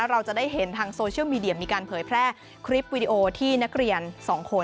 เราจะได้เห็นทางโซเชียลมีเดียมีการเผยแพร่คลิปวิดีโอที่นักเรียนสองคน